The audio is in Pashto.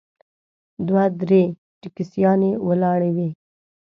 دوه درې ټیکسیانې ولاړې وې.